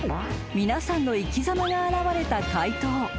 ［皆さんの生き様が表れた回答］